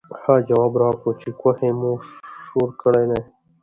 هغو جواب راکړو چې کوهے مو شورو کړے دے ـ